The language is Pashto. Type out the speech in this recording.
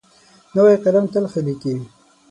نوی قلم تل ښه لیکي.